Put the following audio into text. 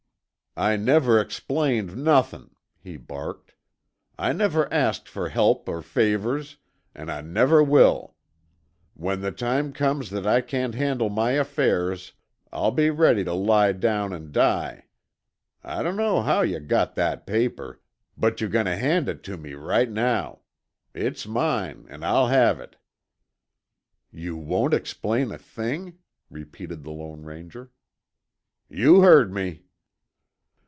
"I never explained nothin'," he barked. "I never asked fer help or favors, an' I never will. When the time comes that I can't handle my affairs, I'll be ready tuh lie down an' die. I dunno how yuh got that paper, but yer goin' tuh hand it tuh me right now. It's mine an' I'll have it." "You won't explain a thing?" repeated the Lone Ranger. "You heard me!"